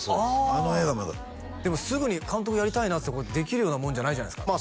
あの映画もよかったでもすぐに監督やりたいなっつってできるようなもんじゃないじゃないですか